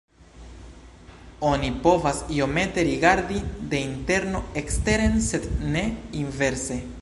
Oni povas iomete rigardi de interno eksteren sed ne inverse.